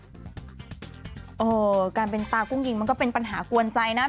เออการเป็นตากุ้งยิงมันก็เป็นปัญหากวนใจนะ